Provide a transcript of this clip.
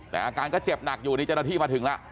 แต่อาการก็เจ็บหนักอยู่นี่เจ้าหน้าที่มาถึงแล้ว